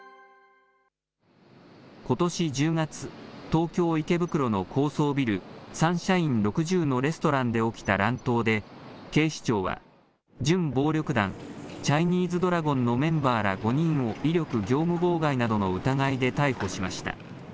ことし１０月、東京・池袋の高層ビル、サンシャイン６０のレストランで起きた乱闘で、警視庁は準暴力団チャイニーズドラゴンのメンバーら５人を威力業務妨害などの疑いで逮捕しました。